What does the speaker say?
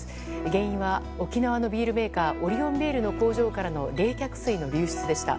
原因は沖縄のビールメーカーオリオンビールの工場からの冷却水の流出でした。